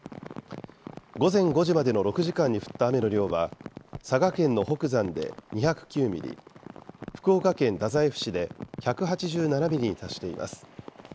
午前５時までの６時間に降った雨の量は佐賀県の北山で２０９ミリ、福岡県太宰府市で１８７ミリに達しています。